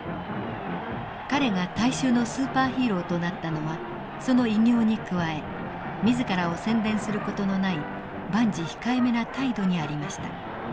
彼が大衆のスーパーヒーローとなったのはその偉業に加え自らを宣伝する事のない万事控えめな態度にありました。